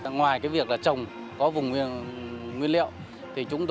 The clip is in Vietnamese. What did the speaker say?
ngoài việc trồng có vùng nguyên liệu